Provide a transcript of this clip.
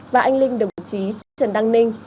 và anh linh đồng chí trần đăng ninh